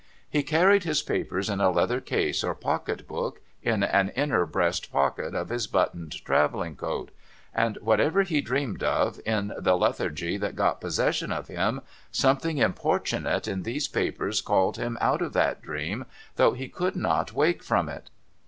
He carried his papers in a leather case or pocket book, in an inner breast pocket of his buttoned travelling coat ; and whatever he dreamed of, in the lethargy that got possession of him, something importunate in these papers called him out of that dream, though he could not wake from it.